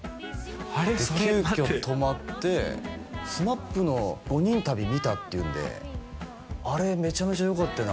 あれそれ急きょ泊まってＳＭＡＰの「５人旅」見たっていうんで「あれめちゃめちゃよかったよね